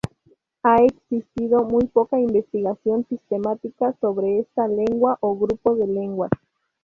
Ha existido muy poca investigación sistemática sobre esta lengua o grupo de lenguas.